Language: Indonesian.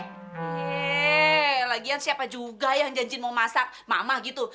eh lagian siapa juga yang janjin mau masak makmah gitu